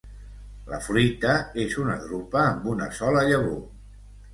La fruita és una drupa amb una sola llavor.